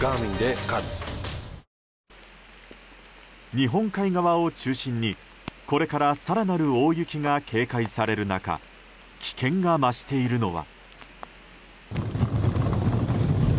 日本海側を中心に、これから更なる大雪が警戒される中危険が増しているのは。